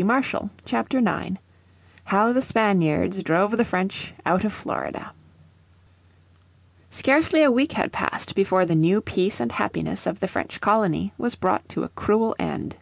__________ Chapter 9 How the Spaniards Drove the French Out of Florida Scarcely a week had passed before the new peace and happiness of the French colony was brought to a cruel end.